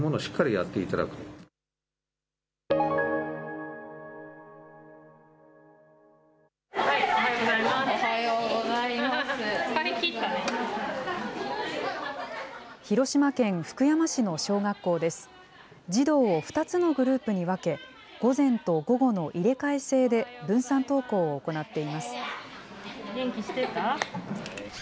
児童を２つのグループに分け、午前と午後の入れ替え制で分散登校を行っています。